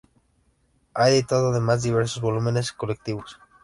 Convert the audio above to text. Ha editado además diversos volúmenes colectivos.